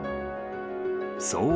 ［そう。